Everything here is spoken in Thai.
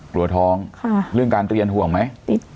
กลัวท้องเรื่องการเรียนห่วงไหม